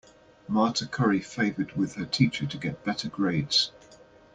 Marta curry favored with her teacher to get better grades.